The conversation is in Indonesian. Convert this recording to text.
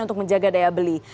untuk menjaga daya beli